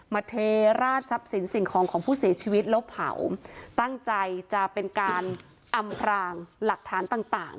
เทราดทรัพย์สินสิ่งของของผู้เสียชีวิตแล้วเผาตั้งใจจะเป็นการอำพรางหลักฐานต่างต่าง